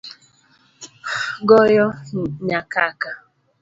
Goyo nyakaka